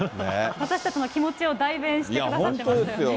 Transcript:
私たちの気持ちを代弁してくださってましたよね。